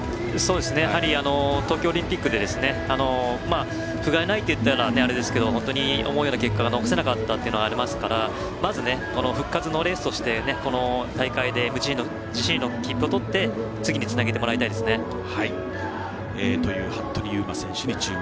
やはり東京オリンピックでふがいないといったらあれですけど本当に思うような結果が残せなかったっていうのがありますからまず、復活のレースをしてこの大会でＭＧＣへの自信の切符を取って次につなげてもらいたいですね。という服部勇馬選手に注目。